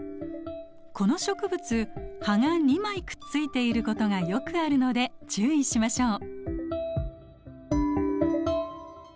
この植物葉が２枚くっついていることがよくあるので注意しましょう。